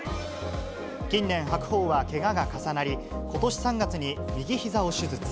近年、白鵬はけがが重なり、ことし３月に右ひざを手術。